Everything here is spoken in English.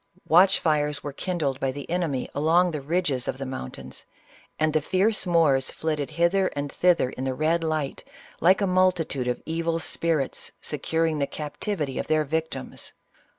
Watch fires were kindled by the enemy along the ridges of the mountains, and thev fierce Moors flitted hither and thither in the red light, like a multitude of evil spirits securing the captivity of their victims.